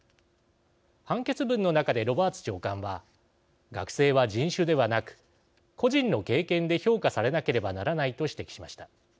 判決文の中で、ロバーツ長官は学生は人種ではなく個人の経験で評価されなければならないと指摘しました。